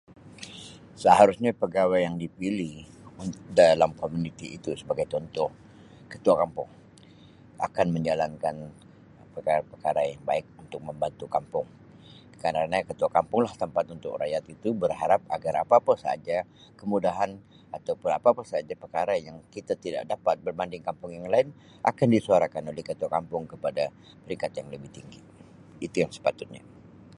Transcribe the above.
seharusnya pegawai yang dipilih dalam komuniti itu sebagai contoh, ketua kampung akan menjalankan perkara-perkara yang baik untuk membantu kampung. sekarang ni ketua kampung lah tempat orang bergantung